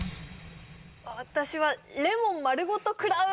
私は「レモン丸ごと喰らう」